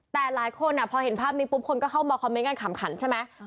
แต่หลายคนพอเห็นภาพนี้ปุ๊บคนก็เข้ามาคอมเมนต์กันขำขันใช่ไหม